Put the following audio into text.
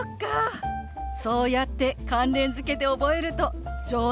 そうやって関連づけて覚えると上達も早いわよね！